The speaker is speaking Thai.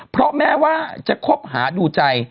เพราะแม้ว่าจะคบหาดูใจ